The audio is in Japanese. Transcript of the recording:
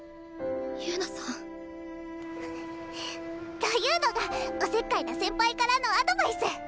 悠奈さん。というのがおせっかいな先輩からのアドバイス！